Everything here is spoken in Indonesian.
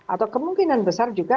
atau kemungkinan besar juga